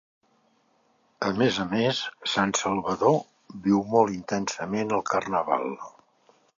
A més a més, Sant Salvador viu molt intensament el Carnaval.